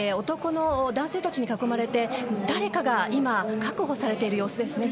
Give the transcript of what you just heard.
男性たちに囲まれて誰かが今、確保されている様子ですね。